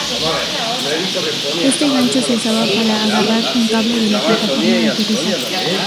Este gancho se usaba para agarrar un cable de la plataforma de aterrizaje.